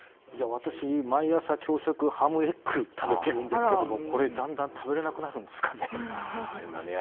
私、毎朝朝食にハムエッグを食べてるんですけどこれ、だんだん食べれなくなるんですかね。